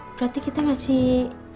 berarti kita masih